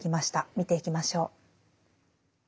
見ていきましょう。